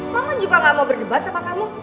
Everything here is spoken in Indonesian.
mama kan juga gak mau berdebat sama kamu